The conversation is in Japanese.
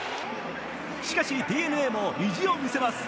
しかしＤｅＮＡも意地を見せます。